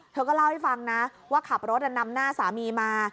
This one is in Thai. เธอก็เล่าให้ฟังนะว่าขับรถนำหน้าสามีมา